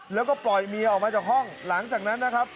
แล้วก็ปล่อยเมียออกมาจากห้องหลังจากนั้นนะครับ